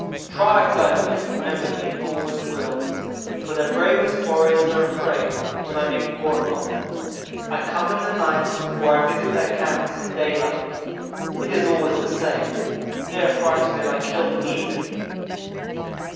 'Tribes I have met remember me and always will, for their bravest warriors are afraid when I make war upon them. I come in the night or I visit their camps in daylight. It is always the same; they are frightened and I kill them easily.'